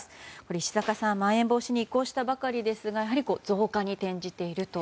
石坂さん、まん延防止に移行したばかりですがやはり増加に転じていると。